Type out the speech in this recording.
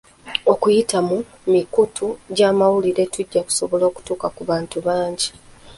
Okuyita mu mikutu gy'amawulire tujja kusobola okutuuka ku bantu bangi.